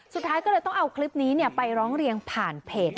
สุดท้ายก็เลยต้องเอาคลิปนี้ไปร้องเรียนผ่านเพจ